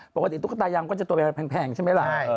ปกติตุ๊กตายางก็จะเป็นตัวแพงใช่ไหมล่ะ